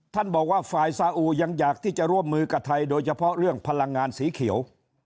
ท่านบอกว่าฝ่ายสาอูยังอยากที่จะร่วมมือกับไทยโดยเฉพาะเรื่องพลังงานสีเขียว